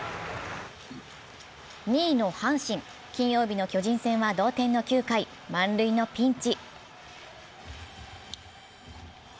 ２位の阪神、金曜日の巨人戦は同点の９回、満塁のピンチ。